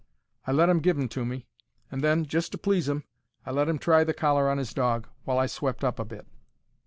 I let 'im give 'em to me, and then, just to please 'im, I let 'im try the collar on 'is dog, while I swept up a bit.